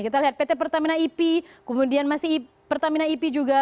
kita lihat pt pertamina ip kemudian masih pertamina ip juga